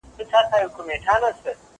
زه انځور ليدلی دی!!